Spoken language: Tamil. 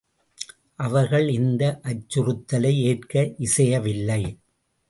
அவர்கள் இந்த அச்சுறுத்தலை ஏற்க இசையவில்லை.